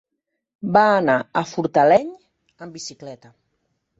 Va anar a Fortaleny amb bicicleta.